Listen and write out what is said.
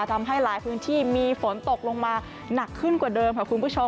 ทำให้หลายพื้นที่มีฝนตกลงมาหนักขึ้นกว่าเดิมค่ะคุณผู้ชม